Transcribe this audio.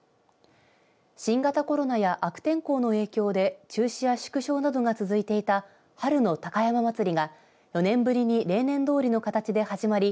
新型コロナや悪天候の影響で中止や縮小などが続いていた春の高山祭が４年ぶりに例年どおりの形で始まり